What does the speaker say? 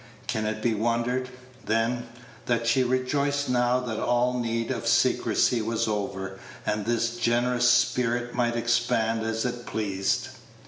Can it be wondered, then, that she rejoiced now that all need of secrecy was over, and this generous spirit might expand as it pleased?